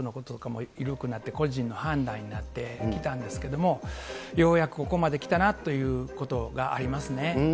まあその前からいろいろなマスクのことも緩くなって、個人の判断になってきたんですけども、ようやくここまで来たなということがありますね。